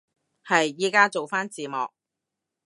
係，依家做返字幕